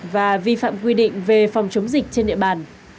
và vi phạm quy định về phòng chống dịch trên địa bàn